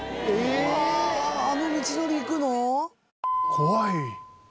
怖い。